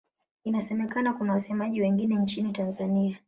Inasemekana kuna wasemaji wengine nchini Tanzania.